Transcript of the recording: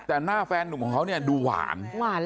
แต่หน้าแฟนหนุ่มของเขาเนี่ยดูหวาน